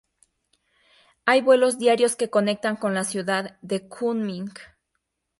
Hay vuelos diarios que conectan con la ciudad de Kunming.